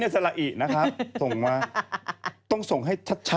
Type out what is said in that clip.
ส่งมาต้องส่งให้ชัดนะ